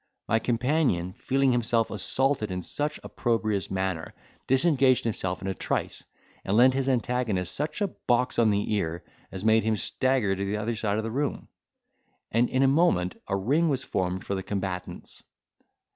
My companion, feeling himself assaulted in such an opprobrious manner, disengaged himself in a trice, and lent his antagonist such a box on the ear as made him stagger to the other side of the room; and, in a moment, a ring was formed for the combatants.